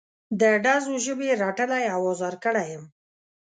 د ډزو ژبې رټلی او ازار کړی یم.